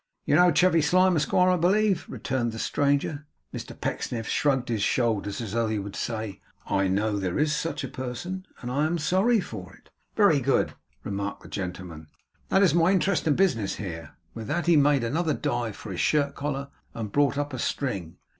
'You know Chevy Slyme, Esquire, I believe?' returned the stranger. Mr Pecksniff shrugged his shoulders as though he would say 'I know there is such a person, and I am sorry for it.' 'Very good,' remarked the gentleman. 'That is my interest and business here.' With that he made another dive for his shirt collar and brought up a string.